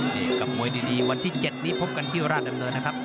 นี่กับมวยดีวันที่๗นี้พบกันที่ราชดำเนินนะครับ